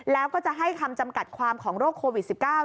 แล้วก็จะให้คำจำกัดความของโรคโควิด๑๙